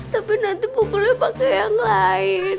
tapi nanti pukulnya pakai yang lain